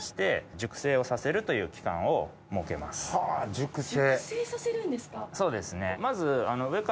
熟成させるんですか？